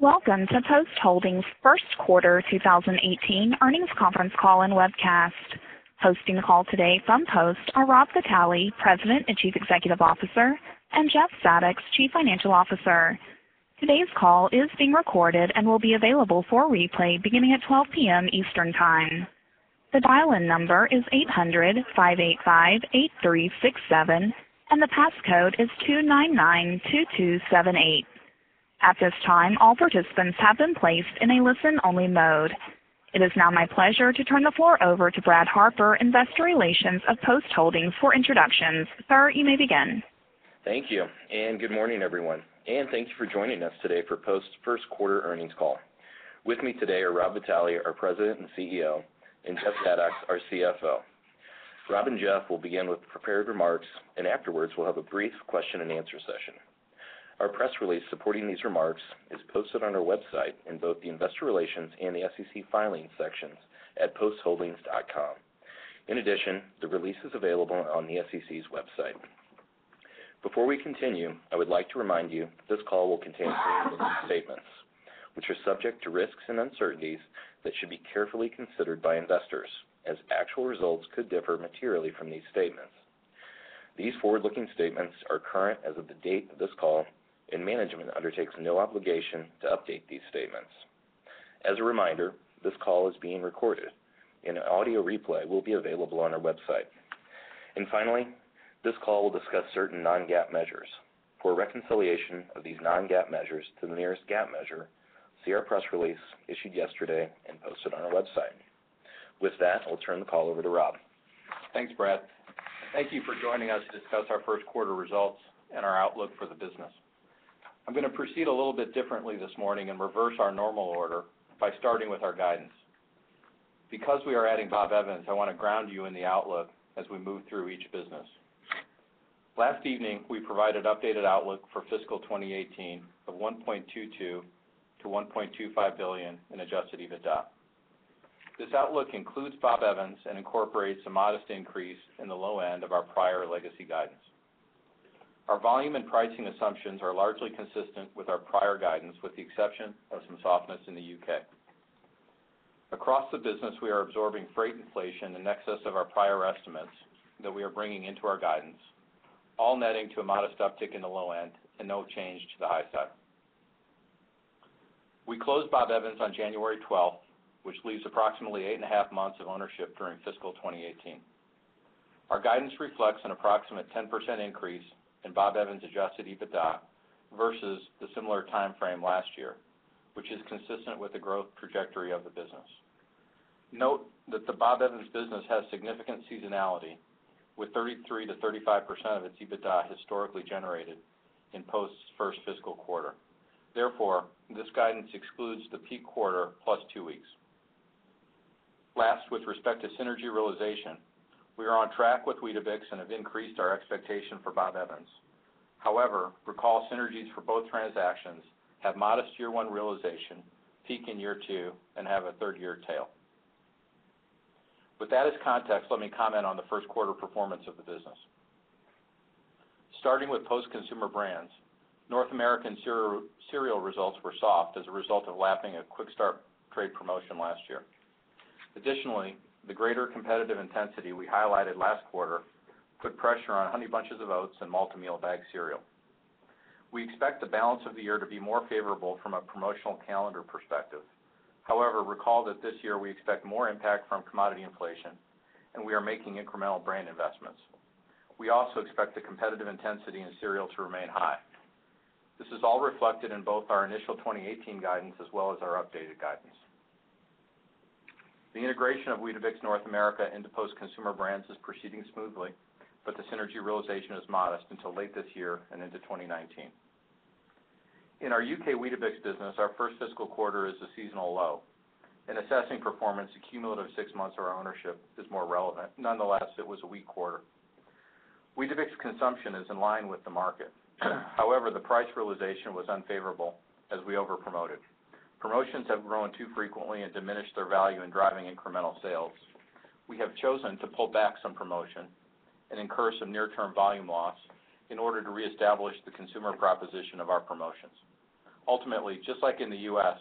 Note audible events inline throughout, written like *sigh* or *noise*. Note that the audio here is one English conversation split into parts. Welcome to Post Holdings' first quarter 2018 earnings conference call and webcast. Hosting the call today from Post are Rob Vitale, President and Chief Executive Officer, and Jeff Zadoks, Chief Financial Officer. Today's call is being recorded and will be available for replay beginning at 12:00 P.M. Eastern Time. The dial-in number is 800-585-8367, and the passcode is 2992278. At this time, all participants have been placed in a listen-only mode. It is now my pleasure to turn the floor over to Brad Harper, Investor Relations of Post Holdings, for introductions. Sir, you may begin. Thank you. Good morning, everyone, and thanks for joining us today for Post's first quarter earnings call. With me today are Rob Vitale, our President and CEO, and Jeff Zadoks, our CFO. Rob and Jeff will begin with prepared remarks. Afterwards, we'll have a brief question and answer session. Our press release supporting these remarks is posted on our website in both the Investor Relations and the SEC Filings sections at postholdings.com. In addition, the release is available on the SEC's website. Before we continue, I would like to remind you this call will contain forward-looking statements, which are subject to risks and uncertainties that should be carefully considered by investors, as actual results could differ materially from these statements. These forward-looking statements are current as of the date of this call, and management undertakes no obligation to update these statements. As a reminder, this call is being recorded, and an audio replay will be available on our website. Finally, this call will discuss certain non-GAAP measures. For a reconciliation of these non-GAAP measures to the nearest GAAP measure, see our press release issued yesterday and posted on our website. With that, I'll turn the call over to Rob. Thanks, Brad. Thank you for joining us to discuss our first quarter results and our outlook for the business. I'm going to proceed a little bit differently this morning and reverse our normal order by starting with our guidance. Because we are adding Bob Evans, I want to ground you in the outlook as we move through each business. Last evening, we provided updated outlook for fiscal 2018 of $1.22 billion to $1.25 billion in adjusted EBITDA. This outlook includes Bob Evans and incorporates a modest increase in the low end of our prior legacy guidance. Our volume and pricing assumptions are largely consistent with our prior guidance, with the exception of some softness in the U.K. Across the business, we are absorbing freight inflation in excess of our prior estimates that we are bringing into our guidance, all netting to a modest uptick in the low end and no change to the high side. We closed Bob Evans on January 12, which leaves approximately 8.5 months of ownership during FY 2018. Our guidance reflects an approximate 10% increase in Bob Evans adjusted EBITDA versus the similar timeframe last year, which is consistent with the growth trajectory of the business. Note that the Bob Evans business has significant seasonality, with 33%-35% of its EBITDA historically generated in Post's first fiscal quarter. Therefore, this guidance excludes the peak quarter plus 2 weeks. Last, with respect to synergy realization, we are on track with Weetabix and have increased our expectation for Bob Evans. Recall synergies for both transactions have modest year 1 realization, peak in year 2, and have a third-year tail. With that as context, let me comment on the first quarter performance of the business. Starting with Post Consumer Brands, North American cereal results were soft as a result of lapping a quick-start trade promotion last year. Additionally, the greater competitive intensity we highlighted last quarter put pressure on Honey Bunches of Oats and Malt-O-Meal bagged cereal. We expect the balance of the year to be more favorable from a promotional calendar perspective. Recall that this year we expect more impact from commodity inflation, and we are making incremental brand investments. We also expect the competitive intensity in cereal to remain high. This is all reflected in both our initial 2018 guidance as well as our updated guidance. The integration of Weetabix North America into Post Consumer Brands is proceeding smoothly, the synergy realization is modest until late this year and into 2019. In our U.K. Weetabix business, our first fiscal quarter is a seasonal low. In assessing performance, a cumulative 6 months of our ownership is more relevant. Nonetheless, it was a weak quarter. Weetabix consumption is in line with the market. The price realization was unfavorable as we overpromoted. Promotions have grown too frequently and diminished their value in driving incremental sales. We have chosen to pull back some promotion and incur some near-term volume loss in order to reestablish the consumer proposition of our promotions. Ultimately, just like in the U.S.,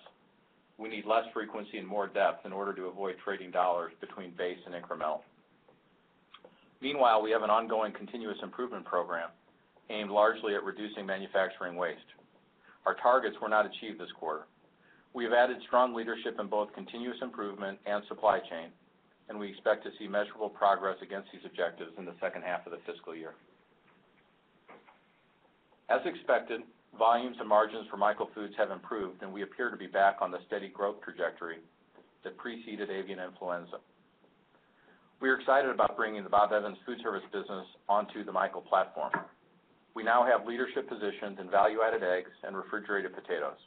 we need less frequency and more depth in order to avoid trading dollars between base and incremental. Meanwhile, we have an ongoing continuous improvement program aimed largely at reducing manufacturing waste. Our targets were not achieved this quarter. We have added strong leadership in both continuous improvement and supply chain, and we expect to see measurable progress against these objectives in the second half of the fiscal year. As expected, volumes and margins for Michael Foods have improved, and we appear to be back on the steady growth trajectory that preceded avian influenza. We are excited about bringing the Bob Evans food service business onto the Michael platform. We now have leadership positions in value-added eggs and refrigerated potatoes.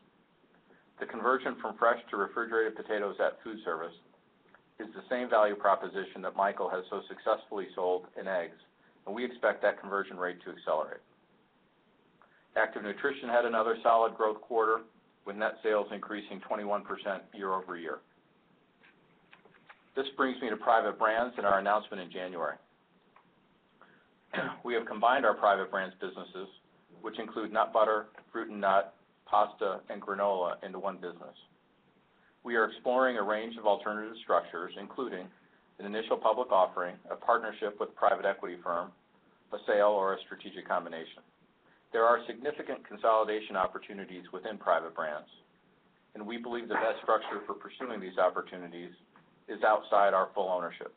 The conversion from fresh to refrigerated potatoes at food service is the same value proposition that Michael has so successfully sold in eggs, and we expect that conversion rate to accelerate. Active Nutrition had another solid growth quarter, with net sales increasing 21% year-over-year. This brings me to Private Brands and our announcement in January. We have combined our Private Brands businesses, which include nut butter, fruit and nut, pasta, and granola into one business. We are exploring a range of alternative structures, including an initial public offering, a partnership with a private equity firm, a sale, or a strategic combination. There are significant consolidation opportunities within Private Brands, and we believe the best structure for pursuing these opportunities is outside our full ownership.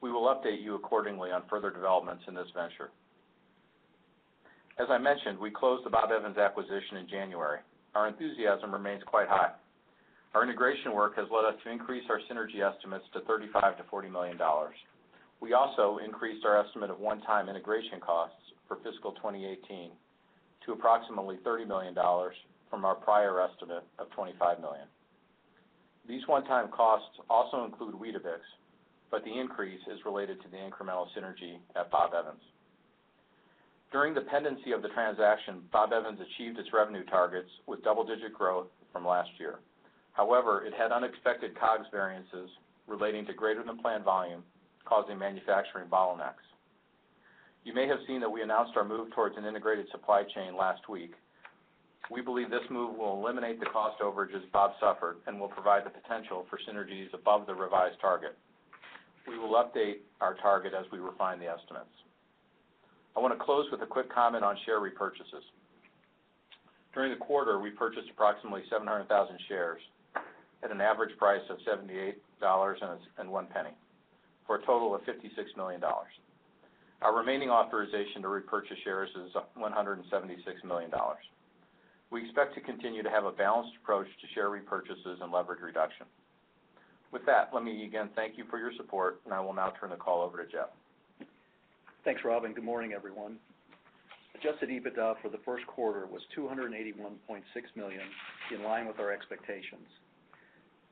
We will update you accordingly on further developments in this venture. As I mentioned, we closed the Bob Evans acquisition in January. Our enthusiasm remains quite high. Our integration work has led us to increase our synergy estimates to $35 million-$40 million. We also increased our estimate of one-time integration costs for fiscal 2018 to approximately $30 million from our prior estimate of $25 million. These one-time costs also include Weetabix, but the increase is related to the incremental synergy at Bob Evans. During the pendency of the transaction, Bob Evans achieved its revenue targets with double-digit growth from last year. However, it had unexpected COGS variances relating to greater-than-planned volume, causing manufacturing bottlenecks. You may have seen that we announced our move towards an integrated supply chain last week. We believe this move will eliminate the cost overages Bob suffered and will provide the potential for synergies above the revised target. We will update our target as we refine the estimates. I want to close with a quick comment on share repurchases. During the quarter, we purchased approximately 700,000 shares at an average price of $78.01, for a total of $56 million. Our remaining authorization to repurchase shares is $176 million. We expect to continue to have a balanced approach to share repurchases and leverage reduction. With that, let me again thank you for your support, and I will now turn the call over to Jeff. Thanks, Rob, good morning, everyone. Adjusted EBITDA for the first quarter was $281.6 million, in line with our expectations.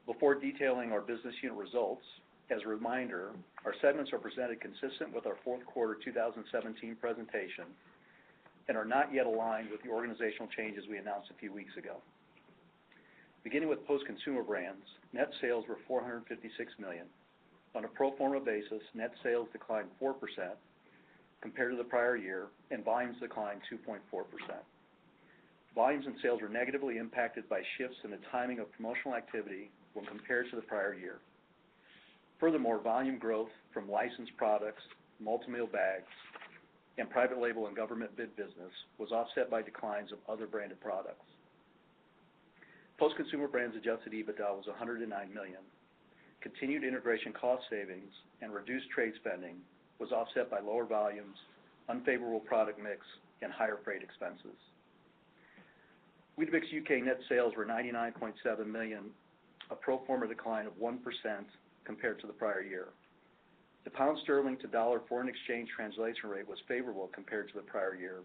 Before detailing our business unit results, as a reminder, our segments are presented consistent with our fourth quarter 2017 presentation and are not yet aligned with the organizational changes we announced a few weeks ago. Beginning with Post Consumer Brands, net sales were $456 million. On a pro forma basis, net sales declined 4% compared to the prior year, and volumes declined 2.4%. Volumes and sales were negatively impacted by shifts in the timing of promotional activity when compared to the prior year. Furthermore, volume growth from licensed products, Malt-O-Meal bags, and private label and government bid business was offset by declines of other branded products. Post Consumer Brands' adjusted EBITDA was $109 million. Continued integration cost savings and reduced trade spending was offset by lower volumes, unfavorable product mix, and higher freight expenses. Weetabix net sales were $99.7 million, a pro forma decline of 1% compared to the prior year. The GBP to USD foreign exchange translation rate was favorable compared to the prior year.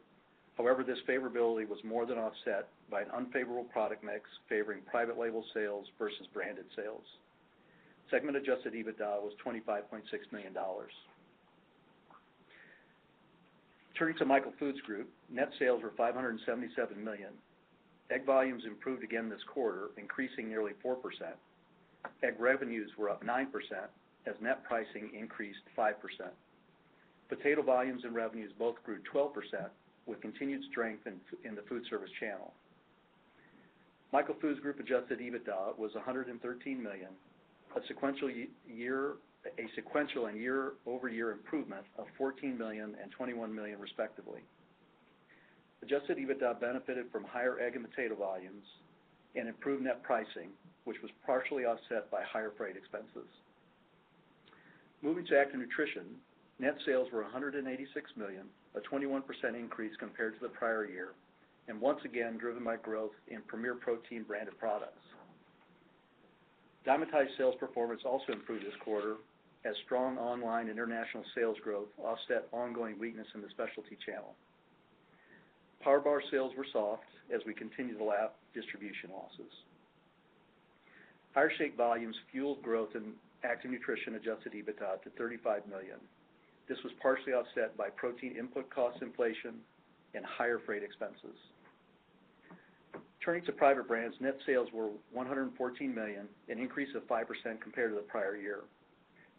However, this favorability was more than offset by an unfavorable product mix favoring private label sales versus branded sales. Segment adjusted EBITDA was $25.6 million. Turning to Michael Foods Group, net sales were $577 million. Egg volumes improved again this quarter, increasing nearly 4%. Egg revenues were up 9%, as net pricing increased 5%. Potato volumes and revenues both grew 12%, with continued strength in the food service channel. Michael Foods Group adjusted EBITDA was $113 million, a sequential and year-over-year improvement of $14 million and $21 million respectively. Adjusted EBITDA benefited from higher egg and potato volumes and improved net pricing, which was partially offset by higher freight expenses. Moving to Active Nutrition, net sales were $186 million, a 21% increase compared to the prior year, and once again driven by growth in Premier Protein branded products. Dymatize sales performance also improved this quarter, as strong online international sales growth offset ongoing weakness in the specialty channel. PowerBar sales were soft as we continue to lap distribution losses. Higher shake volumes fueled growth in Active Nutrition adjusted EBITDA to $35 million. This was partially offset by protein input cost inflation and higher freight expenses. Turning to Private Brands, net sales were $114 million, an increase of 5% compared to the prior year.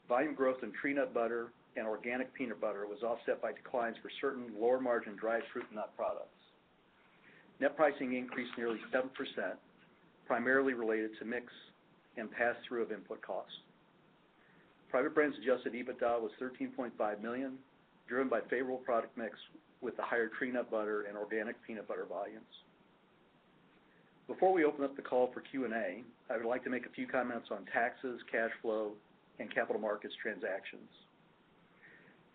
Volume growth in tree nut butter and organic peanut butter was offset by declines for certain lower-margin dried fruit and nut products. Net pricing increased nearly 7%, primarily related to mix and pass-through of input costs. Private Brands' adjusted EBITDA was $13.5 million, driven by favorable product mix with the higher tree nut butter and organic peanut butter volumes. Before we open up the call for Q&A, I would like to make a few comments on taxes, cash flow, and capital markets transactions.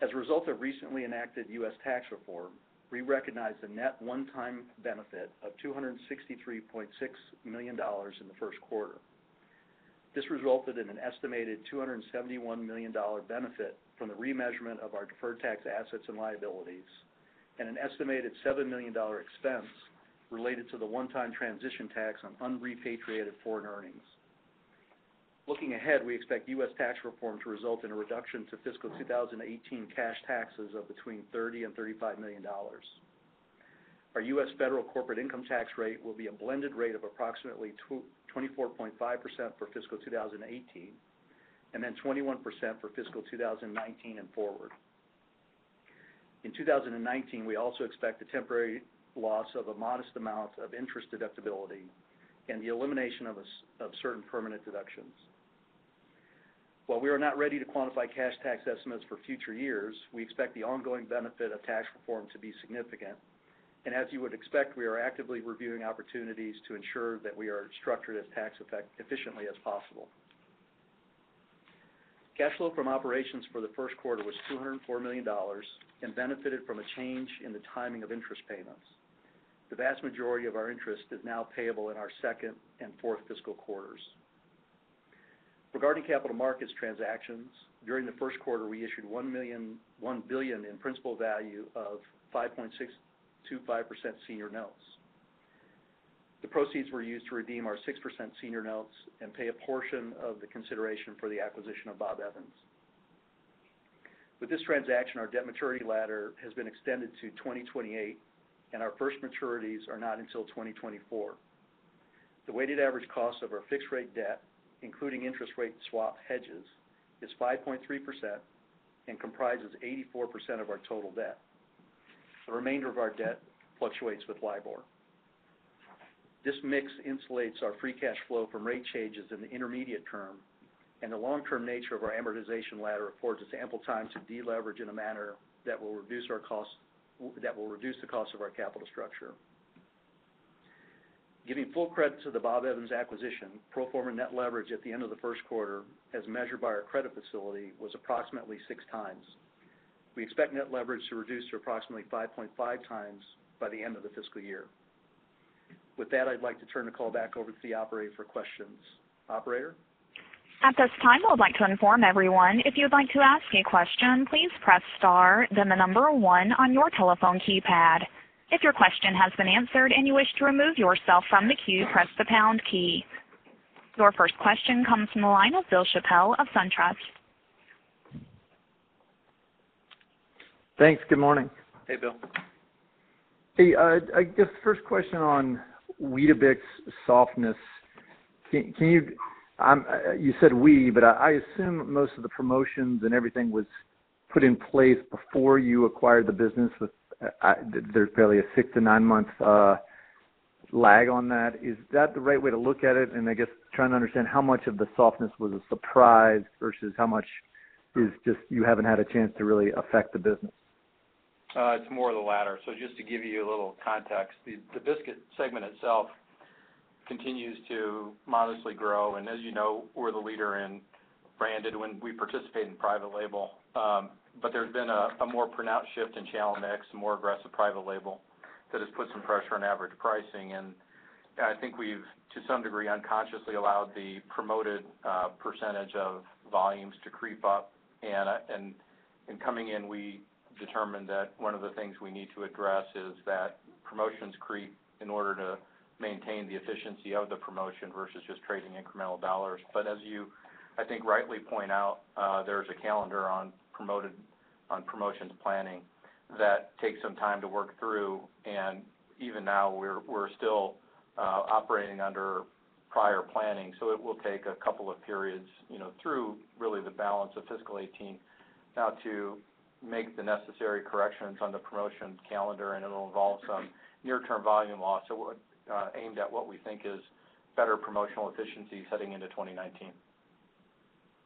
As a result of recently enacted U.S. tax reform, we recognized a net one-time benefit of $263.6 million in the first quarter. This resulted in an estimated $271 million benefit from the remeasurement of our deferred tax assets and liabilities and an estimated $7 million expense related to the one-time transition tax on unrepatriated foreign earnings. Looking ahead, we expect U.S. We expect tax reform to result in a reduction to fiscal 2018 cash taxes of between $30 million-$35 million. Our U.S. federal corporate income tax rate will be a blended rate of approximately 24.5% for fiscal 2018, then 21% for fiscal 2019 and forward. In 2019, we also expect a temporary loss of a modest amount of interest deductibility and the elimination of certain permanent deductions. While we are not ready to quantify cash tax estimates for future years, we expect the ongoing benefit of tax reform to be significant. As you would expect, we are actively reviewing opportunities to ensure that we are structured as tax effect efficiently as possible. Cash flow from operations for the first quarter was $204 million and benefited from a change in the timing of interest payments. The vast majority of our interest is now payable in our second and fourth fiscal quarters. Regarding capital markets transactions, during the first quarter, we issued $1 billion in principal value of 5.625% senior notes. The proceeds were used to redeem our 6% senior notes and pay a portion of the consideration for the acquisition of Bob Evans. With this transaction, our debt maturity ladder has been extended to 2028, and our first maturities are not until 2024. The weighted average cost of our fixed-rate debt, including interest rate swap hedges, is 5.3% and comprises 84% of our total debt. The remainder of our debt fluctuates with LIBOR. This mix insulates our free cash flow from rate changes in the intermediate term, and the long-term nature of our amortization ladder affords us ample time to deleverage in a manner that will reduce the cost of our capital structure. Giving full credit to the Bob Evans acquisition, pro forma net leverage at the end of the first quarter, as measured by our credit facility, was approximately six times. We expect net leverage to reduce to approximately 5.5 times by the end of the fiscal year. With that, I'd like to turn the call back over to the operator for questions. Operator? At this time, I would like to inform everyone, if you'd like to ask a question, please press star, then the number one on your telephone keypad. If your question has been answered and you wish to remove yourself from the queue, press the pound key. Your first question comes from the line of Bill Chappell of SunTrust. Thanks, good morning. Hey, Bill. Hey, I guess first question on Weetabix softness. You said "we," but I assume most of the promotions and everything was put in place before you acquired the business. There's barely a six to nine-month lag on that. Is that the right way to look at it? I guess, trying to understand how much of the softness was a surprise versus how much is just you haven't had a chance to really affect the business. It's more of the latter. Just to give you a little context, the biscuit segment itself continues to modestly grow. As you know, we're the leader in branded when we participate in private label. There's been a more pronounced shift in channel mix, more aggressive private label, that has put some pressure on average pricing. I think we've, to some degree, unconsciously allowed the promoted percentage of volumes to creep up. In coming in, we determined that one of the things we need to address is that promotions creep in order to maintain the efficiency of the promotion versus just trading incremental dollars. As you, I think, rightly point out, there's a calendar on promotions planning that takes some time to work through. Even now, we're still operating under prior planning. It will take a couple of periods through really the balance of fiscal 2018 now to make the necessary corrections on the promotions calendar, and it'll involve some near-term volume loss aimed at what we think is better promotional efficiency heading into 2019.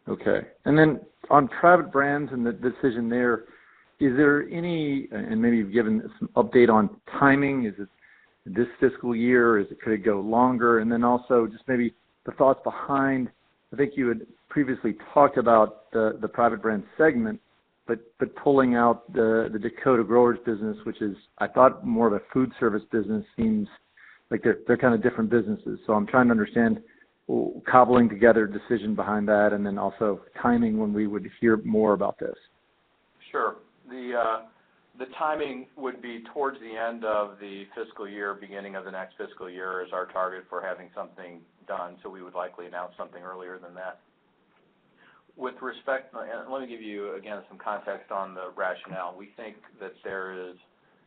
On Private Brands and the decision there, is there any, and maybe you've given some update on timing? Is it this fiscal year? Could it go longer? Also, just maybe the thoughts behind, I think you had previously talked about the Private Brands segment, but pulling out the Dakota Growers business, which is, I thought, more of a food service business, seems like they're kind of different businesses. I'm trying to understand, cobbling together a decision behind that, and also timing when we would hear more about this. Sure. The timing would be towards the end of the fiscal year, beginning of the next fiscal year is our target for having something done. We would likely announce something earlier than that. Let me give you, again, some context on the rationale. We think that there is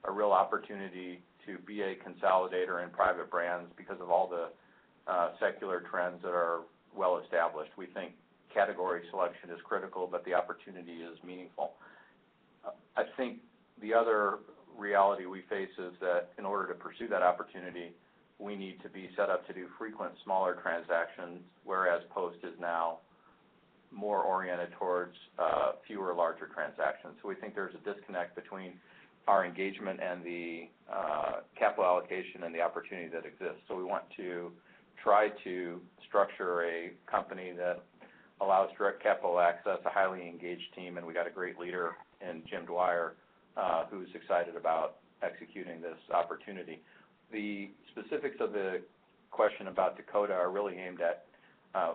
a real opportunity to be a consolidator in Private Brands because of all the secular trends that are well established. We think category selection is critical, but the opportunity is meaningful. I think the other reality we face is that in order to pursue that opportunity, we need to be set up to do frequent smaller transactions, whereas Post is now more oriented towards fewer larger transactions. We think there's a disconnect between our engagement and the capital allocation and the opportunity that exists. We want to try to structure a company that allows direct capital access, a highly engaged team, and we got a great leader in Jim Dwyer, who's excited about executing this opportunity. The specifics of the question about Dakota are really aimed at,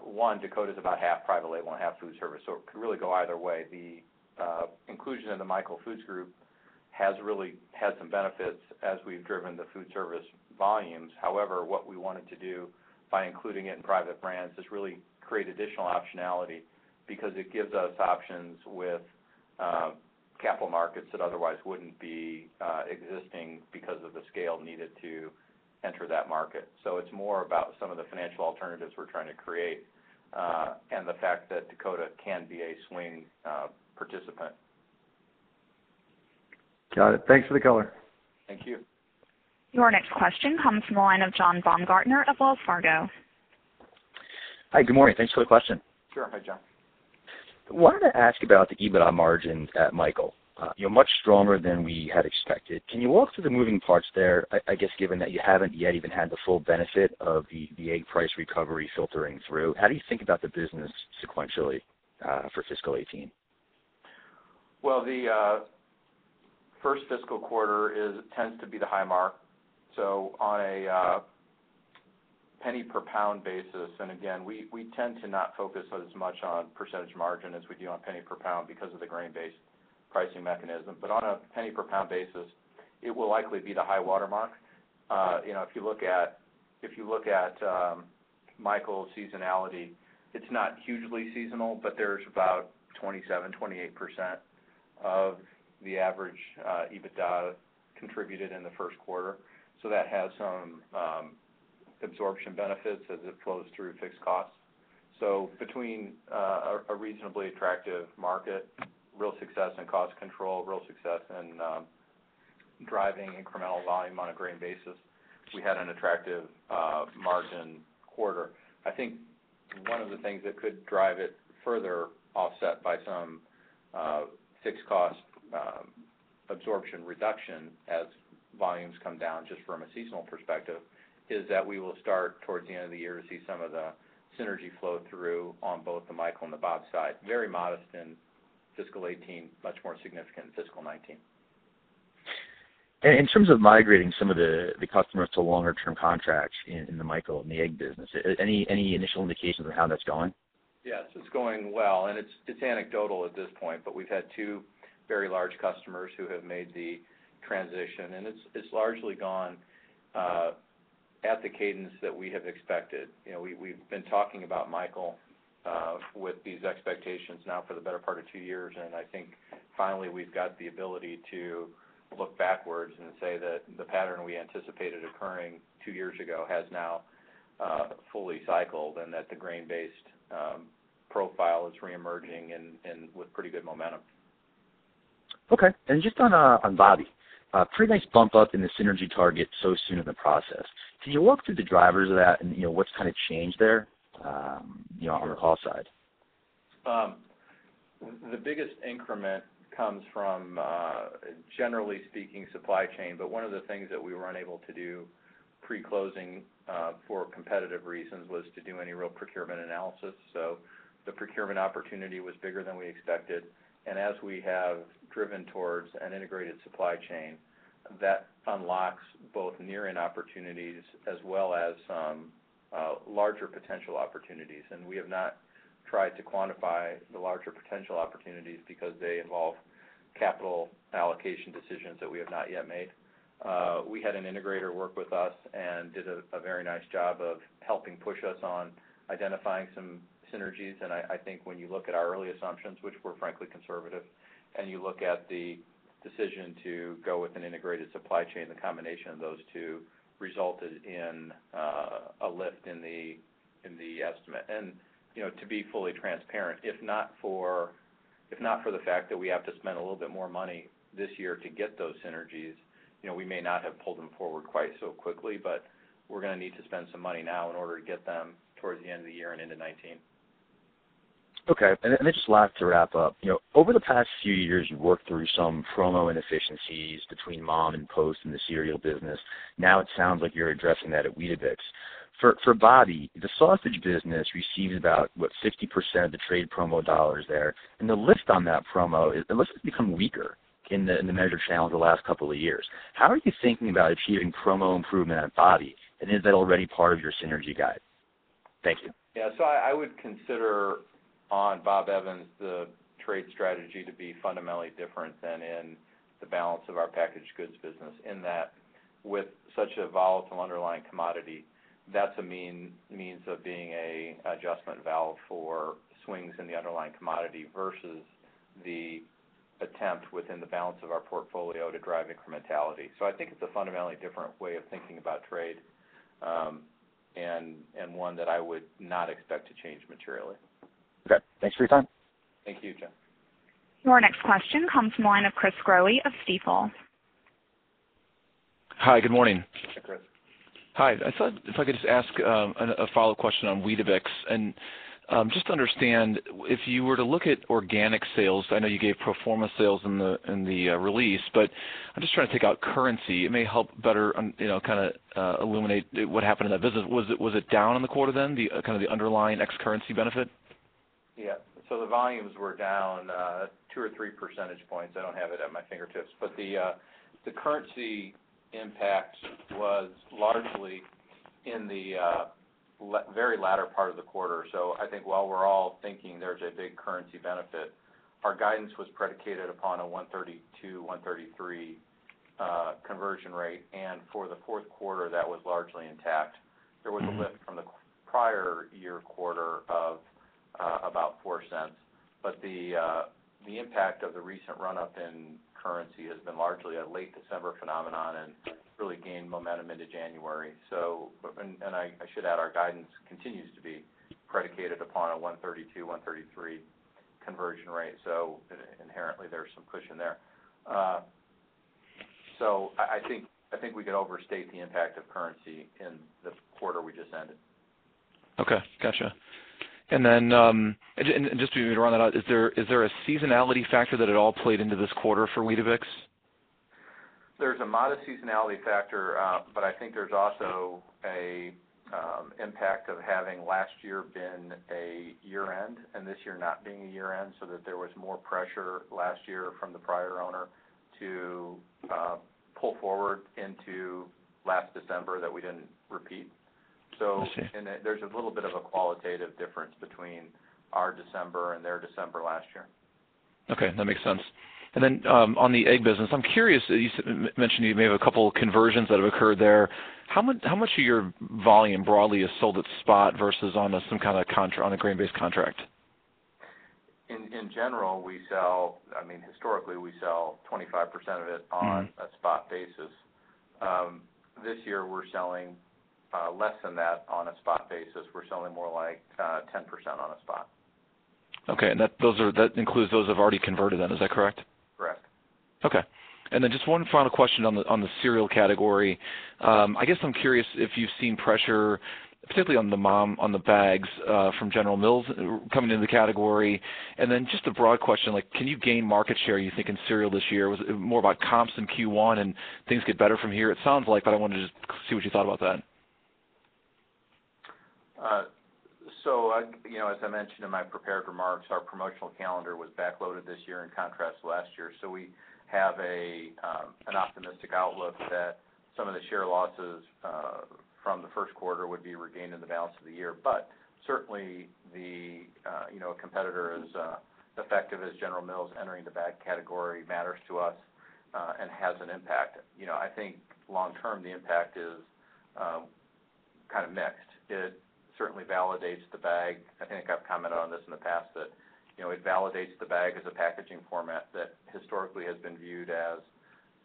one, Dakota's about half private label and half food service, so it could really go either way. The inclusion in the Michael Foods Group has really had some benefits as we've driven the food service volumes. However, what we wanted to do by including it in Private Brands is really create additional optionality because it gives us options with Capital markets that otherwise wouldn't be existing because of the scale needed to enter that market. It's more about some of the financial alternatives we're trying to create, and the fact that Dakota can be a swing participant. Got it. Thanks for the color. Thank you. Your next question comes from the line of John Baumgartner of Wells Fargo. Hi, good morning. Thanks for the question. Sure. Hi, John. Wanted to ask about the EBITDA margin at Michael. Much stronger than we had expected. Can you walk through the moving parts there? I guess given that you haven't yet even had the full benefit of the egg price recovery filtering through, how do you think about the business sequentially, for fiscal 2018? Well, the first fiscal quarter tends to be the high mark. On a penny-per-pound basis, and again, we tend to not focus as much on percentage margin as we do on penny-per-pound because of the grain-based pricing mechanism. On a penny-per-pound basis, it will likely be the high watermark. If you look at Michael seasonality, it's not hugely seasonal, but there's about 27%, 28% of the average EBITDA contributed in the first quarter. That has some absorption benefits as it flows through fixed costs. Between a reasonably attractive market, real success in cost control, real success in driving incremental volume on a grain basis, we had an attractive margin quarter. I think one of the things that could drive it further, offset by some fixed cost absorption reduction as volumes come down, just from a seasonal perspective, is that we will start towards the end of the year to see some of the synergy flow through on both the Michael and the Bob side. Very modest in fiscal 2018, much more significant in fiscal 2019. In terms of migrating some of the customers to longer term contracts in the Michael Foods, in the egg business, any initial indications on how that's going? Yes, it's going well, and it's anecdotal at this point, but we've had two very large customers who have made the transition, and it's largely gone at the cadence that we have expected. We've been talking about Michael Foods with these expectations now for the better part of two years, and I think finally we've got the ability to look backwards and say that the pattern we anticipated occurring two years ago has now fully cycled and that the grain-based profile is reemerging and with pretty good momentum. Okay. Just on Bob Evans, pretty nice bump up in the synergy target so soon in the process. Can you walk through the drivers of that and what's kind of changed there on the cost side? The biggest increment comes from, generally speaking, supply chain. One of the things that we were unable to do pre-closing, for competitive reasons, was to do any real procurement analysis. The procurement opportunity was bigger than we expected. As we have driven towards an integrated supply chain, that unlocks both near-in opportunities as well as some larger potential opportunities. We have not tried to quantify the larger potential opportunities because they involve capital allocation decisions that we have not yet made. We had an integrator work with us and did a very nice job of helping push us on identifying some synergies, and I think when you look at our early assumptions, which were frankly conservative, and you look at the decision to go with an integrated supply chain, the combination of those two resulted in a lift in the estimate. To be fully transparent, if not for the fact that we have to spend a little bit more money this year to get those synergies, we may not have pulled them forward quite so quickly. We're going to need to spend some money now in order to get them towards the end of the year and into 2019. Okay. Just last, to wrap up. Over the past few years, you've worked through some promo inefficiencies between MOM and Post in the cereal business. Now it sounds like you're addressing that at Weetabix. For Bob Evans, the sausage business receives about, what, 60% of the trade promo dollars there, and the lift on that promo has become weaker in the measured channels the last couple of years. How are you thinking about achieving promo improvement at Bob Evans, and is that already part of your synergy guide? Thank you. Yeah. I would consider on Bob Evans the trade strategy to be fundamentally different than in the balance of our packaged goods business in that with such a volatile underlying commodity, that's a means of being an adjustment valve for swings in the underlying commodity versus the attempt within the balance of our portfolio to drive incrementality. I think it's a fundamentally different way of thinking about trade, and one that I would not expect to change materially. Okay. Thanks for your time. Thank you, John. Your next question comes from the line of Chris Growe of Stifel. Hi, good morning. Hi, Chris. Hi. I thought if I could just ask a follow-up question on Weetabix. Just to understand, if you were to look at organic sales, I know you gave pro forma sales in the release, but I'm just trying to take out currency. It may help better illuminate what happened in that business. Was it down in the quarter then, the underlying ex-currency benefit? Yeah. The volumes were down two or three percentage points. I don't have it at my fingertips, the currency impact was largely in the very latter part of the quarter. I think while we're all thinking there's a big currency benefit, our guidance was predicated upon a 132, 133 conversion rate, and for the fourth quarter, that was largely intact. There was a lift from the prior year quarter of about $0.04. The impact of the recent run-up in currency has been largely a late December phenomenon and really gained momentum into January. I should add, our guidance continues to be predicated upon a 132, 133 conversion rate. Inherently, there's some cushion there. I think we could overstate the impact of currency in the quarter we just ended. Okay. Got you. Just to round that out, is there a seasonality factor that at all played into this quarter for Weetabix? There's a modest seasonality factor, but I think there's also an impact of having last year been a year-end and this year not being a year-end, so that there was more pressure last year from the prior owner to pull forward into last December that we didn't repeat. I see. There's a little bit of a qualitative difference between our December and their December last year. Okay, that makes sense. On the egg business, I'm curious, you mentioned you may have a couple conversions that have occurred there. How much of your volume broadly is sold at spot versus on a grain-based contract? In general, historically, we sell 25% of it on a spot basis. This year, we're selling less than that on a spot basis. We're selling more like 10% on a spot. Okay. That includes those who have already converted then, is that correct? Correct. Okay. Just one final question on the cereal category. I guess I'm curious if you've seen pressure, particularly on the bags from General Mills coming into the category. Just a broad question, can you gain market share, you think, in cereal this year? More about comps in Q1 and things get better from here, it sounds like, but I wanted to just see what you thought about that. As I mentioned in my prepared remarks, our promotional calendar was backloaded this year in contrast to last year. We have an optimistic outlook that some of the share losses from the first quarter would be regained in the balance of the year. Certainly, a competitor as effective as General Mills entering the bag category matters to us, and has an impact. I think long term, the impact is kind of mixed. It certainly validates the bag. I think I've commented on this in the past, that it validates the bag as a packaging format that historically has been viewed as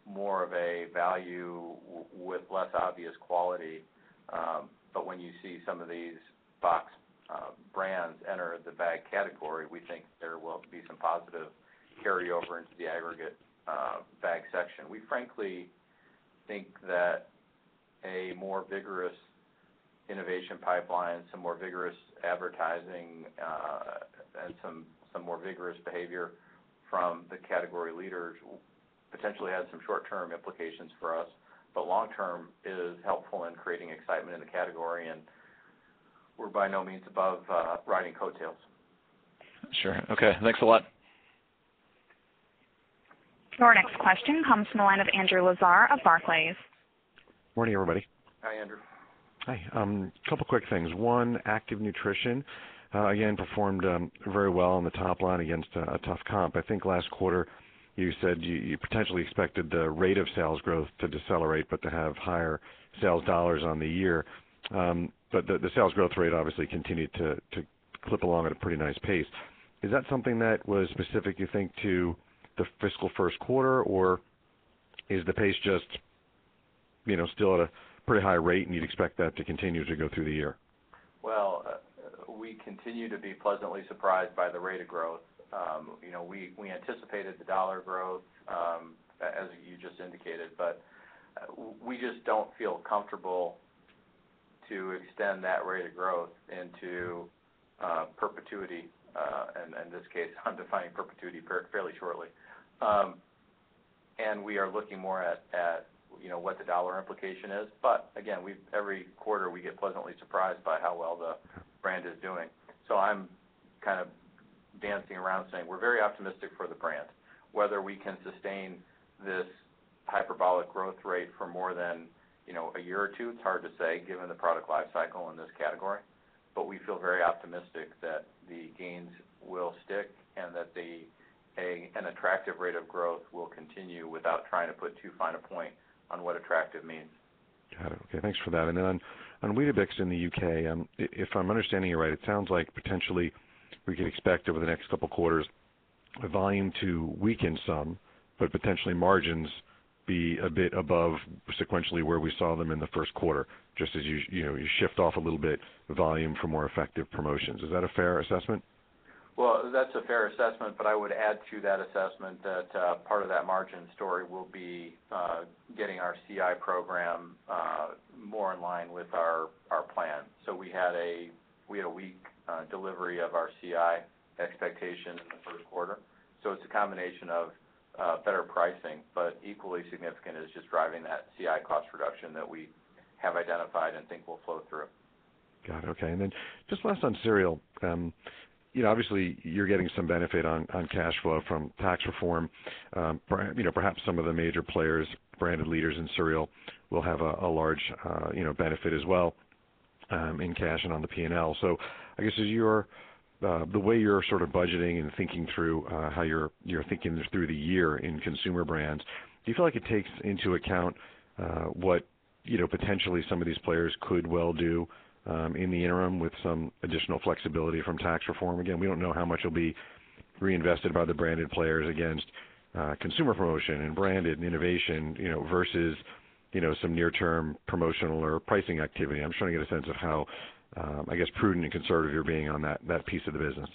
more of a value with less obvious quality. When you see some of these box brands enter the bag category, we think there will be some positive carryover into the aggregate bag section. We frankly think that a more vigorous innovation pipeline, some more vigorous advertising, and some more vigorous behavior from the category leaders will potentially have some short-term implications for us. Long term, it is helpful in creating excitement in the category, and we're by no means above riding coattails. Sure. Okay. Thanks a lot. Your next question comes from the line of Andrew Lazar of Barclays. Morning, everybody. Hi, Andrew. Hi. A couple quick things. One, Active Nutrition, again, performed very well on the top line against a tough comp. I think last quarter you said you potentially expected the rate of sales growth to decelerate, but to have higher sales dollars on the year. The sales growth rate obviously continued to clip along at a pretty nice pace. Is that something that was specific, you think, to the fiscal first quarter, or is the pace just still at a pretty high rate and you'd expect that to continue to go through the year? We continue to be pleasantly surprised by the rate of growth. We anticipated the dollar growth, as you just indicated, we just don't feel comfortable to extend that rate of growth into perpetuity, and in this case, I'm defining perpetuity fairly shortly. We are looking more at what the dollar implication is. Again, every quarter, we get pleasantly surprised by how well the brand is doing. I'm kind of dancing around saying we're very optimistic for the brand. Whether we can sustain this hyperbolic growth rate for more than a year or two, it's hard to say, given the product life cycle in this category. We feel very optimistic that the gains will stick and that an attractive rate of growth will continue without trying to put too fine a point on what attractive means. Got it. Okay, thanks for that. On Weetabix in the U.K., if I'm understanding you right, it sounds like potentially we can expect over the next couple quarters the volume to weaken some, but potentially margins be a bit above sequentially where we saw them in the first quarter, just as you shift off a little bit volume for more effective promotions. Is that a fair assessment? That's a fair assessment, but I would add to that assessment that part of that margin story will be getting our CI program more in line with our plan. We had a weak delivery of our CI expectation in the first quarter. It's a combination of better pricing, but equally significant is just driving that CI cost reduction that we have identified and think will flow through. Got it. Okay. Then just last on cereal. Obviously you're getting some benefit on cash flow from tax reform. Perhaps some of the major players, branded leaders in cereal will have a large benefit as well. In cash and on the P&L. I guess, the way you're budgeting and thinking through how you're thinking through the year in Consumer Brands, do you feel like it takes into account what potentially some of these players could well do in the interim with some additional flexibility from tax reform? Again, we don't know how much will be reinvested by the branded players against consumer promotion and branded and innovation, versus some near-term promotional or pricing activity. I'm just trying to get a sense of how, I guess, prudent and conservative you're being on that piece of the business.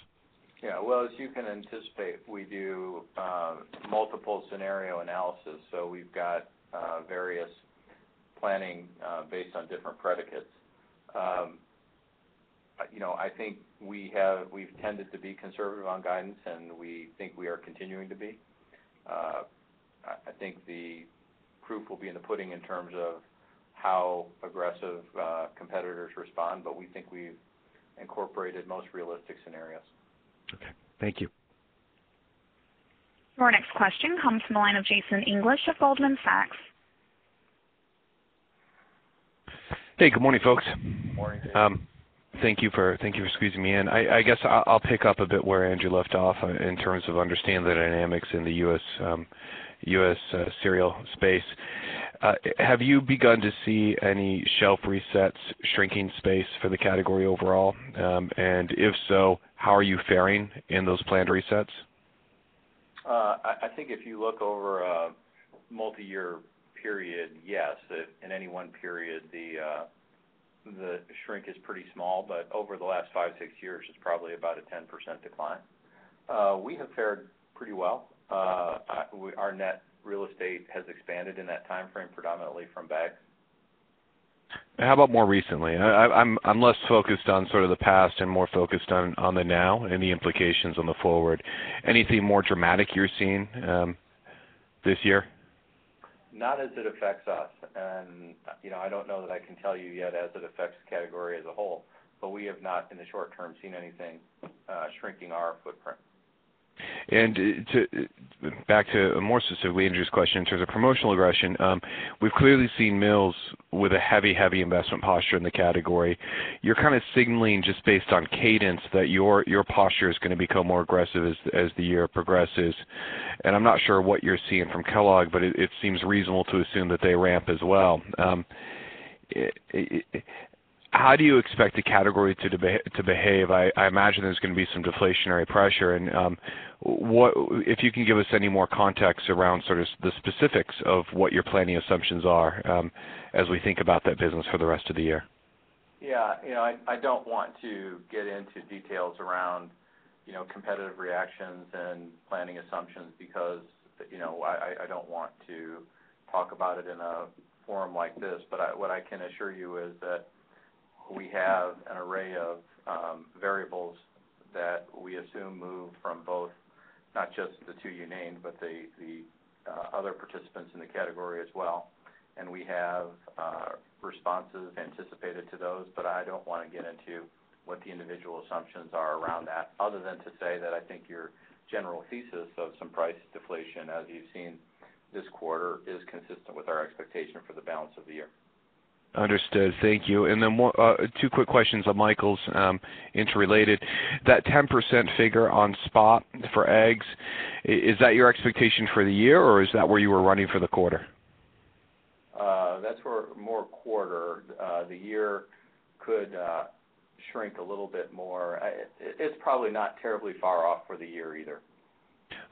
Yeah. Well, as you can anticipate, we do multiple scenario analysis. We've got various planning based on different predicates. I think we've tended to be conservative on guidance, and we think we are continuing to be. I think the proof will be in the pudding in terms of how aggressive competitors respond, but we think we've incorporated most realistic scenarios. Okay. Thank you. Our next question comes from the line of Jason English of Goldman Sachs. Hey, good morning, folks. Morning. Thank you for squeezing me in. I guess I'll pick up a bit where Andrew left off in terms of understanding the dynamics in the U.S. cereal space. Have you begun to see any shelf resets, shrinking space for the category overall? If so, how are you faring in those planned resets? I think if you look over a multi-year period, yes. In any one period, the shrink is pretty small, over the last five, six years, it's probably about a 10% decline. We have fared pretty well. Our net real estate has expanded in that timeframe, predominantly from bag. How about more recently? I'm less focused on the past and more focused on the now and the implications on the forward. Anything more dramatic you're seeing this year? Not as it affects us. I don't know that I can tell you yet as it affects the category as a whole, but we have not, in the short term, seen anything shrinking our footprint. Back to more specifically Andrew's question in terms of promotional aggression, we've clearly seen Mills with a heavy investment posture in the category. You're kind of signaling just based on cadence that your posture is going to become more aggressive as the year progresses. I'm not sure what you're seeing from Kellogg, but it seems reasonable to assume that they ramp as well. How do you expect the category to behave? I imagine there's going to be some deflationary pressure. If you can give us any more context around the specifics of what your planning assumptions are as we think about that business for the rest of the year? Yeah. I don't want to get into details around competitive reactions and planning assumptions because I don't want to talk about it in a forum like this. What I can assure you is that we have an array of variables that we assume move from both, not just the two you named, but the other participants in the category as well. We have responses anticipated to those, but I don't want to get into what the individual assumptions are around that other than to say that I think your general thesis of some price deflation, as you've seen this quarter, is consistent with our expectation for the balance of the year. Understood. Thank you. Then two quick questions on Michael's interrelated. That 10% figure on spot for eggs, is that your expectation for the year, or is that where you were running for the quarter? That's more quarter. The year could shrink a little bit more. It's probably not terribly far off for the year either.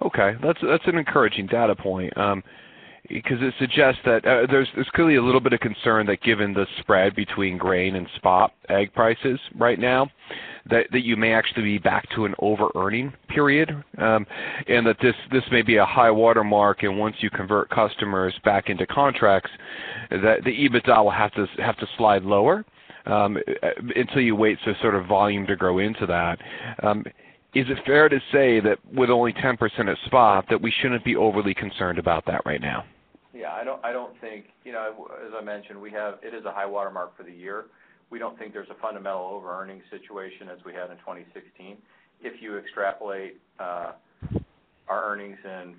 Okay. That's an encouraging data point because it suggests that there's clearly a little bit of concern that given the spread between grain and spot egg prices right now, that you may actually be back to an overearning period, and that this may be a high water mark and once you convert customers back into contracts, that the EBITDA will have to slide lower until you wait for volume to grow into that. Is it fair to say that with only 10% at spot, that we shouldn't be overly concerned about that right now? Yeah, I don't think. As I mentioned, it is a high water mark for the year. We don't think there's a fundamental overearning situation as we had in 2016. If you extrapolate our earnings in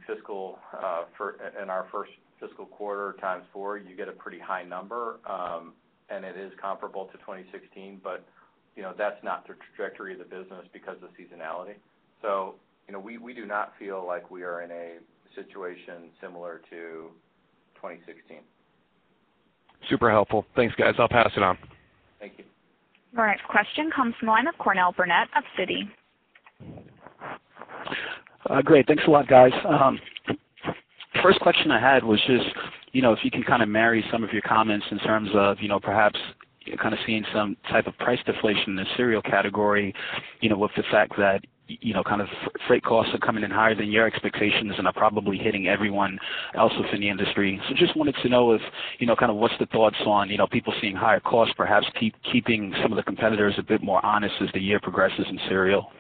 our first fiscal quarter times four, you get a pretty high number, and it is comparable to 2016. That's not the trajectory of the business because of seasonality. We do not feel like we are in a situation similar to 2016. Super helpful. Thanks, guys. I'll pass it on. Thank you. Our next question comes from the line of Cornell Barnett of Citi. Great. Thanks a lot, guys. First question I had was just if you can marry some of your comments in terms of perhaps seeing some type of price deflation in the cereal category, with the fact that freight costs are coming in higher than your expectations and are probably hitting everyone else within the industry. Just wanted to know what's the thoughts on people seeing higher costs perhaps keeping some of the competitors a bit more honest as the year progresses in cereal?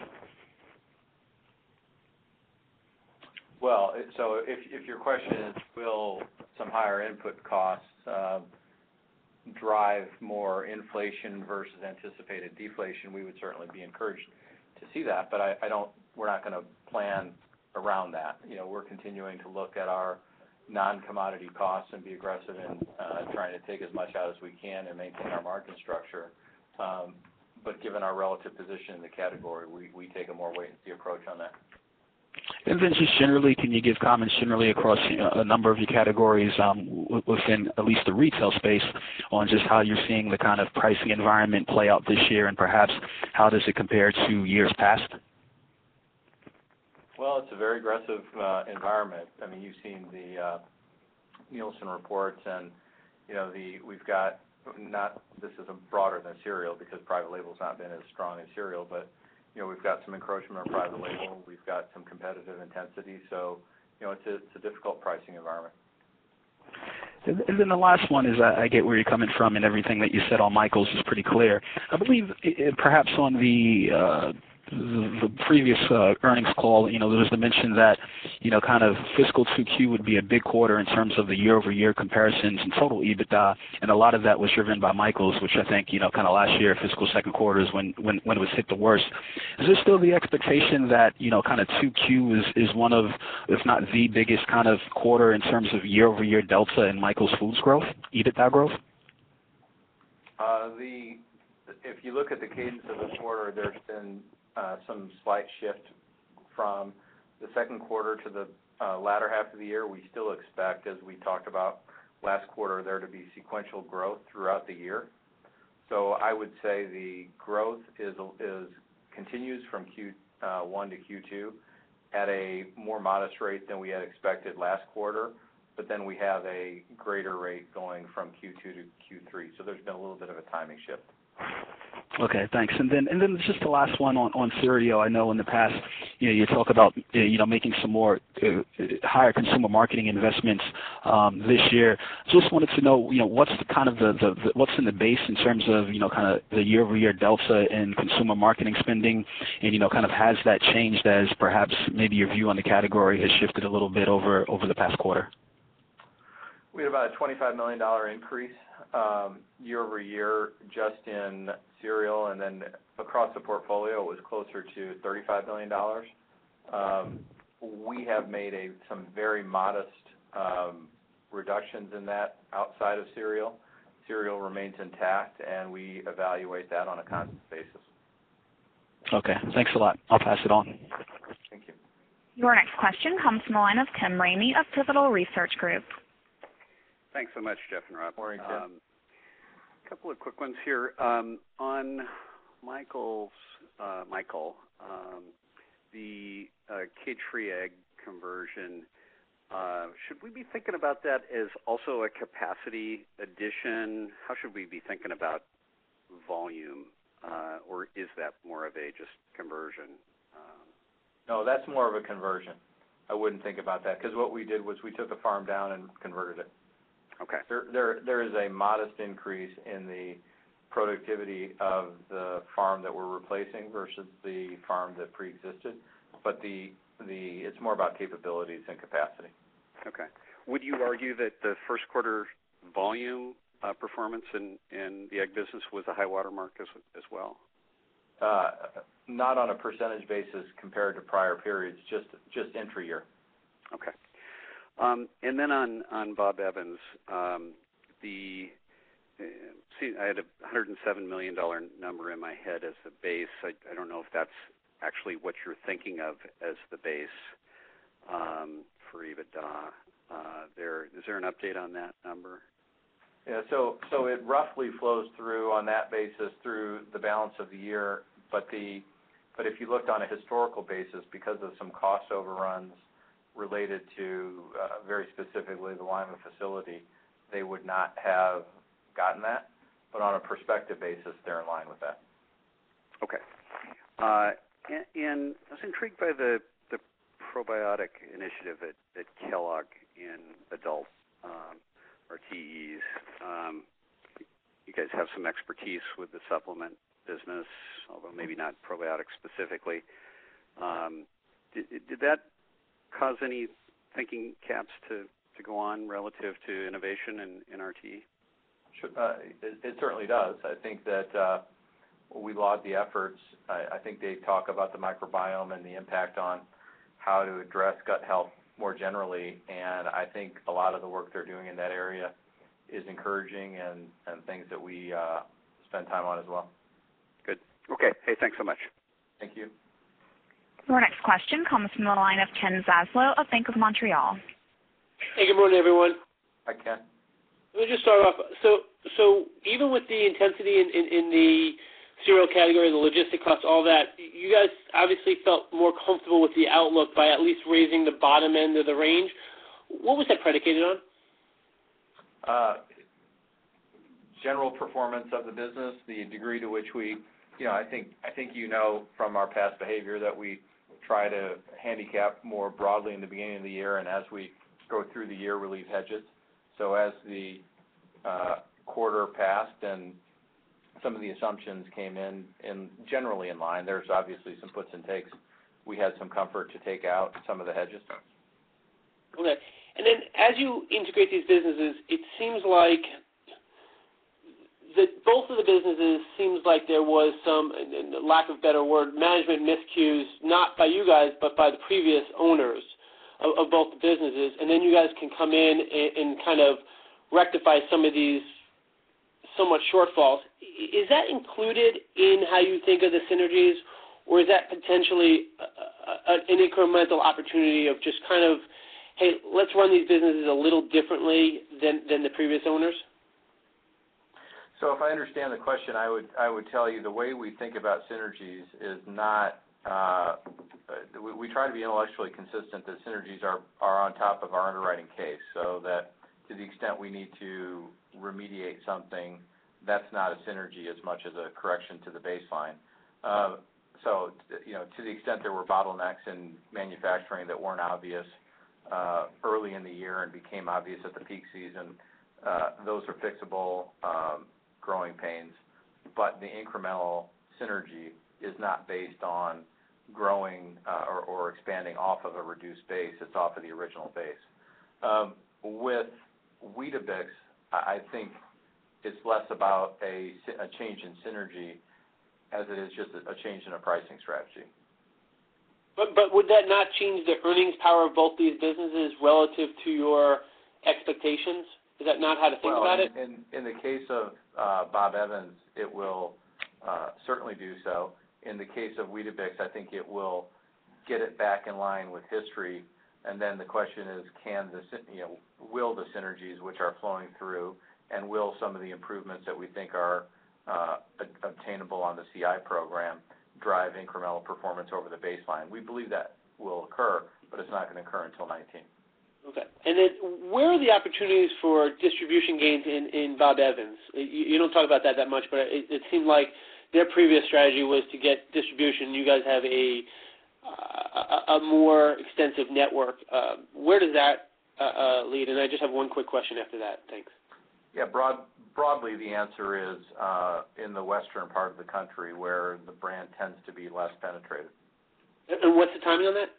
If your question is will some higher input costs drive more inflation versus anticipated deflation, we would certainly be encouraged. Nice to see that, we're not going to plan around that. We're continuing to look at our non-commodity costs and be aggressive in trying to take as much out as we can and maintain our margin structure. Given our relative position in the category, we take a more wait-and-see approach on that. Can you give comments generally across a number of your categories, within at least the retail space, on just how you're seeing the kind of pricing environment play out this year, and perhaps how does it compare to years past? Well, it's a very aggressive environment. You've seen the Nielsen reports, and this is broader than cereal because private label's not been as strong as cereal. We've got some encroachment on private label. We've got some competitive intensity. It's a difficult pricing environment. The last one is, I get where you're coming from and everything that you said on Michael's is pretty clear. I believe perhaps on the previous earnings call, there was the mention that fiscal 2Q would be a big quarter in terms of the year-over-year comparisons in total EBITDA, and a lot of that was driven by Michael's, which I think last year, fiscal second quarter is when it was hit the worst. Is there still the expectation that 2Q is one of, if not the biggest quarter in terms of year-over-year delta in Michael Foods growth, EBITDA growth? If you look at the cadence of the quarter, there's been some slight shift from the second quarter to the latter half of the year. We still expect, as we talked about last quarter, there to be sequential growth throughout the year. I would say the growth continues from Q1 to Q2 at a more modest rate than we had expected last quarter, but then we have a greater rate going from Q2 to Q3, so there's been a little bit of a timing shift. Okay, thanks. Then just the last one on cereal. I know in the past, you talk about making some more higher consumer marketing investments this year. Just wanted to know what's in the base in terms of the year-over-year delta in consumer marketing spending, and has that changed as perhaps maybe your view on the category has shifted a little bit over the past quarter? We had about a $25 million increase year-over-year just in cereal. Then across the portfolio, it was closer to $35 million. We have made some very modest reductions in that outside of cereal. Cereal remains intact. We evaluate that on a constant basis. Okay. Thanks a lot. I'll pass it on. Thank you. Your next question comes from the line of Tim Ramey of Pivotal Research Group. Thanks so much, Jeff and Rob. Morning, Tim. Couple of quick ones here. On Michael, the cage-free egg conversion, should we be thinking about that as also a capacity addition? How should we be thinking about volume, or is that more of a just conversion? No, that's more of a conversion. I wouldn't think about that because what we did was we took the farm down and converted it. Okay. There is a modest increase in the productivity of the farm that we're replacing versus the farm that preexisted, but it's more about capabilities than capacity. Okay. Would you argue that the first quarter volume performance in the egg business was a high water mark as well? Not on a percentage basis compared to prior periods, just intra-year. Okay. On Bob Evans, I had a $107 million number in my head as the base. I don't know if that's actually what you're thinking of as the base for EBITDA there. Is there an update on that number? Yeah. It roughly flows through on that basis through the balance of the year. If you looked on a historical basis, because of some cost overruns related to, very specifically, the Lima facility, they would not have gotten that. On a prospective basis, they're in line with that. Okay. I was intrigued by the probiotic initiative at Kellogg in adult RTEs. You guys have some expertise with the supplement business, although maybe not probiotics specifically. Did that cause any thinking caps to go on relative to innovation in RTE? It certainly does. I think that we laud the efforts. I think they talk about the microbiome and the impact on how to address gut health more generally, and I think a lot of the work they're doing in that area is encouraging and things that we spend time on as well. Good. Okay. Hey, thanks so much. Thank you. Your next question comes from the line of Ken Zaslow of Bank of Montreal. Hey, good morning, everyone. Hi, Ken. Let me just start off. Even with the intensity in the cereal category, the logistics cost, all that, you guys obviously felt more comfortable with the outlook by at least raising the bottom end of the range. What was that predicated on? General performance of the business, the degree to which we, you know, from our past behavior that we try to handicap more broadly in the beginning of the year, and as we go through the year, we'll leave hedges. As the quarter passed and some of the assumptions came in, and generally in line, there's obviously some puts and takes. We had some comfort to take out some of the hedges. Okay. As you integrate these businesses, it seems like both of the businesses, lack of better word, management miscues, not by you guys, but by the previous owners of both the businesses. You guys can come in and rectify some of these somewhat shortfalls. Is that included in how you think of the synergies, or is that potentially an incremental opportunity of just, "Hey, let's run these businesses a little differently than the previous owners? If I understand the question, I would tell you the way we think about synergies is not. We try to be intellectually consistent that synergies are on top of our underwriting case, so that to the extent we need to remediate something, that's not a synergy as much as a correction to the baseline. To the extent there were bottlenecks in manufacturing that weren't obvious early in the year and became obvious at the peak season, those are fixable growing pains. The incremental synergy is not based on growing or expanding off of a reduced base. It's off of the original base. With Weetabix, I think it's less about a change in synergy as it is just a change in a pricing strategy. Would that not change the earnings power of both these businesses relative to your expectations? Is that not how to think about it? Well, in the case of Bob Evans, it will certainly do so. In the case of Weetabix, I think it will get it back in line with history. The question is, will the synergies which are flowing through, and will some of the improvements that we think are obtainable on the CI program drive incremental performance over the baseline? We believe that will occur, but it's not going to occur until 2019. Okay. Where are the opportunities for distribution gains in Bob Evans? You don't talk about that that much, but it seemed like their previous strategy was to get distribution. You guys have a more extensive network. Where does that lead? I just have one quick question after that. Thanks. Yeah. Broadly, the answer is in the western part of the country where the brand tends to be less penetrated. What's the timing on that?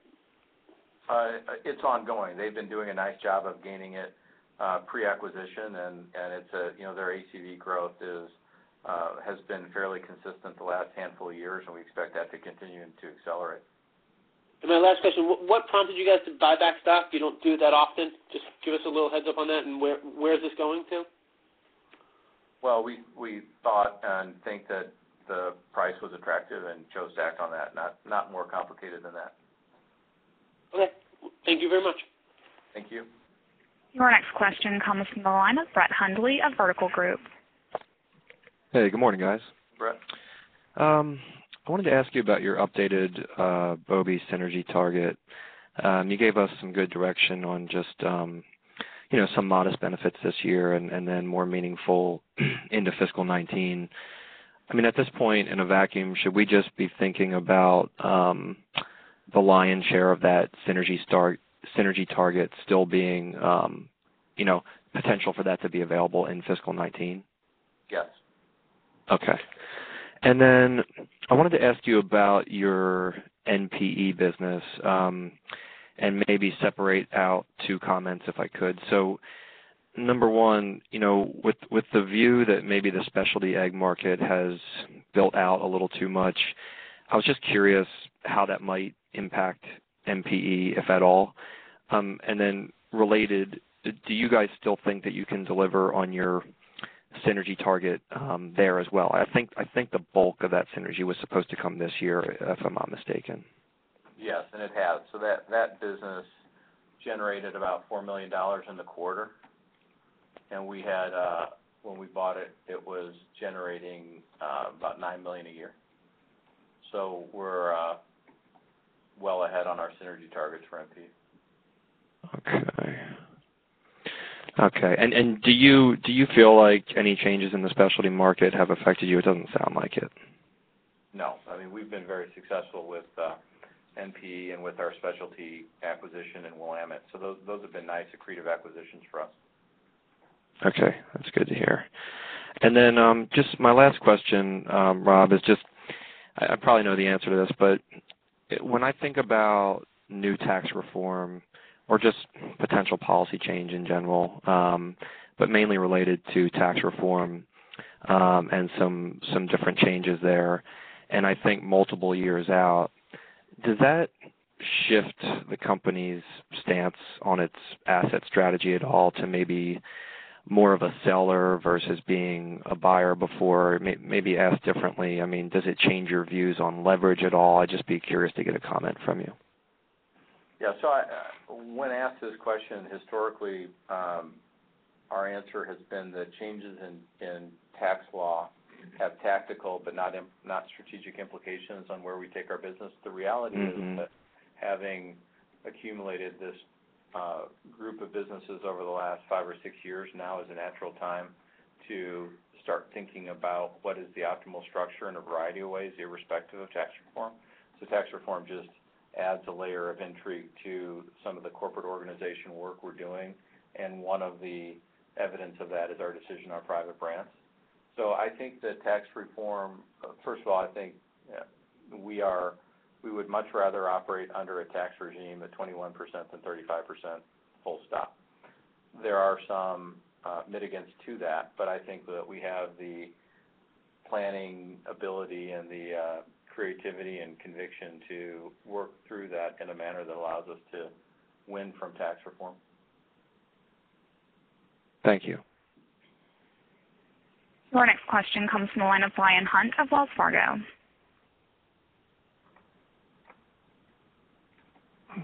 It's ongoing. They've been doing a nice job of gaining it pre-acquisition, and their ACV growth has been fairly consistent the last handful of years, and we expect that to continue and to accelerate. My last question, what prompted you guys to buy back stock? You don't do that often. Just give us a little heads up on that, and where is this going to? Well, we thought and think that the price was attractive and chose to act on that. Not more complicated than that. Okay. Thank you very much. Thank you. Your next question comes from the line of Brett Hundley of Vertical Group. Hey, good morning, guys. Brett. I wanted to ask you about your updated Bob Evans synergy target. You gave us some good direction on just some modest benefits this year, more meaningful into fiscal 2019. At this point in a vacuum, should we just be thinking about the lion's share of that synergy target still being potential for that to be available in fiscal 2019? Yes. Okay. I wanted to ask you about your NPE business, maybe separate out two comments if I could. Number one, with the view that maybe the specialty ag market has built out a little too much, I was just curious how that might impact NPE, if at all. Related, do you guys still think that you can deliver on your synergy target there as well? I think the bulk of that synergy was supposed to come this year, if I'm not mistaken. Yes, it has. That business generated about $4 million in the quarter. When we bought it was generating about $9 million a year. We're well ahead on our synergy targets for NPE. Do you feel like any changes in the specialty market have affected you? It doesn't sound like it. No. We've been very successful with NPE and with our specialty acquisition in Willamette. Those have been nice accretive acquisitions for us. Okay. That's good to hear. Just my last question, Rob, is just, I probably know the answer to this, but when I think about new tax reform or just potential policy change in general, but mainly related to tax reform, and some different changes there, and I think multiple years out, does that shift the company's stance on its asset strategy at all to maybe more of a seller versus being a buyer before? Maybe asked differently, does it change your views on leverage at all? I'd just be curious to get a comment from you. Yeah. When asked this question historically, our answer has been the changes in tax law have tactical but not strategic implications on where we take our business. The reality is that having accumulated this group of businesses over the last five or six years now is a natural time to start thinking about what is the optimal structure in a variety of ways, irrespective of tax reform. Tax reform just adds a layer of intrigue to some of the corporate organization work we're doing, and one of the evidence of that is our decision on Private Brands. I think that tax reform, first of all, I think we would much rather operate under a tax regime of 21% than 35%, full stop. There are some mitigants to that, I think that we have the planning ability and the creativity and conviction to work through that in a manner that allows us to win from tax reform. Thank you. Our next question comes from the line of Bryan Hunt of Wells Fargo.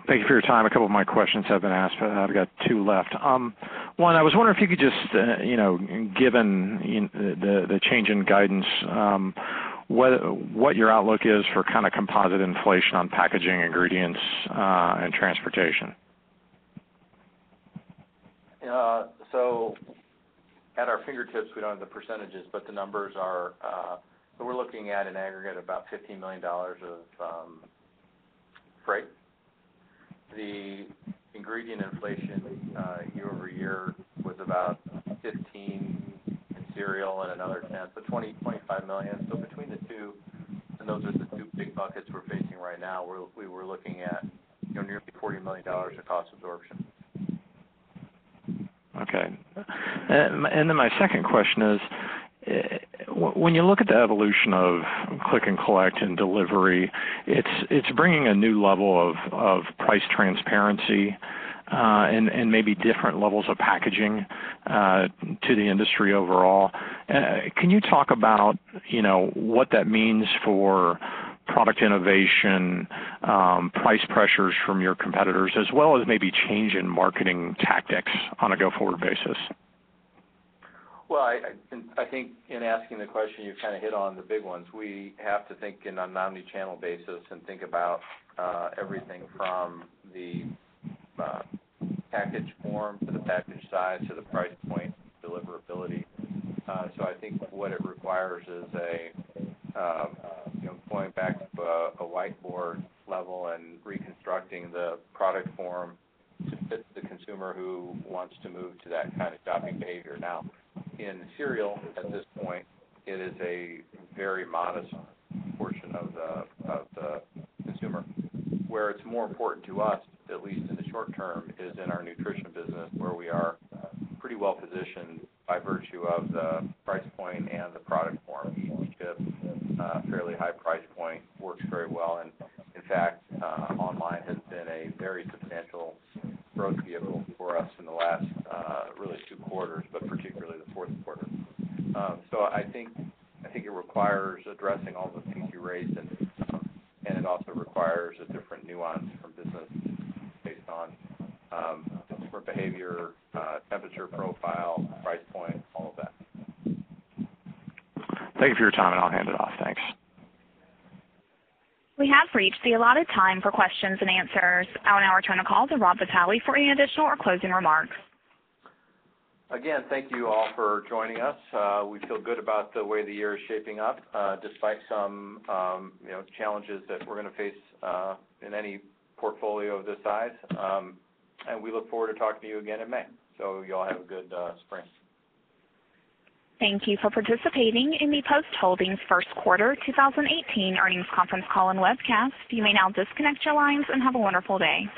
Thank you for your time. A couple of my questions have been asked, I've got two left. I was wondering if you could just, given the change in guidance, what your outlook is for composite inflation on packaging, ingredients, and transportation. At our fingertips, we don't have the percentages, but the numbers are, we're looking at an aggregate of about $15 million of freight. The ingredient inflation year-over-year was about $15 million in cereal and another $10 million, so $20 million, $25 million. Between the two, and those are the two big buckets we're facing right now, we were looking at nearly $40 million of cost absorption. Okay. My second question is, when you look at the evolution of click and collect and delivery, it's bringing a new level of price transparency, and maybe different levels of packaging to the industry overall. Can you talk about what that means for product innovation, price pressures from your competitors, as well as maybe change in marketing tactics on a go-forward basis? Well, I think in asking the question, you've hit on the big ones. We have to think in an omni-channel basis and think about everything from the package form to the package size to the price point deliverability. I think what it requires is pulling back a whiteboard level and reconstructing the product form to fit the consumer who wants to move to that kind of shopping behavior. In cereal, at this point, it is a very modest portion of the consumer. Where it's more important to us, at least in the short term, is in our nutrition business, where we are pretty well positioned by virtue of the price point and the product form, *inaudible* fairly high price point works very well. In fact, online has been a very substantial growth vehicle for us in the last really 2 quarters, but particularly the fourth quarter. I think it requires addressing all the things you raised, and it also requires a different nuance for business based on consumer behavior, temperature profile, price point, all of that. Thank you for your time, and I'll hand it off. Thanks. We have reached the allotted time for questions and answers. I will now return the call to Rob Vitale for any additional or closing remarks. Again, thank you all for joining us. We feel good about the way the year is shaping up, despite some challenges that we're going to face in any portfolio of this size. We look forward to talking to you again in May. You all have a good spring. Thank you for participating in the Post Holdings First Quarter 2018 earnings conference call and webcast. You may now disconnect your lines and have a wonderful day.